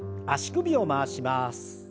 足首を回します。